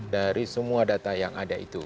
dari semua data yang ada itu